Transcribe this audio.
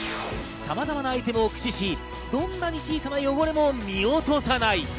さまざまなアイテムを駆使し、どんなに小さな汚れも見落とさない。